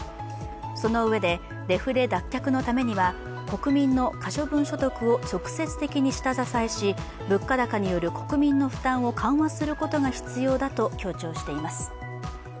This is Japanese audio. そのうえで、デフレ脱却のためには国民の可処分所得を直接的に下支えし物価高による国民の負担を緩和することが必要だと強調しています。